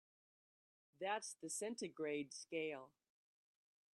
That's the centigrade scale.